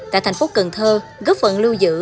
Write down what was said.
tại thành phố cần thơ góp phận lưu giữ